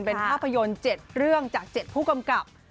เป็นภาพยนตร์๗เรื่องจาก๗ผู้กำกับ